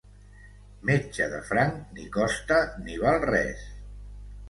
Metge de franc ni costa ni val res.